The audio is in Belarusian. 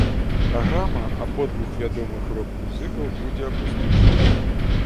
Праграма абодвух вядомых рок-музыкаў будзе акустычнай.